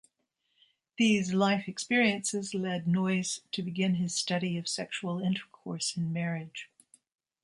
These life experiences led Noyes to begin his study of sexual intercourse in marriage.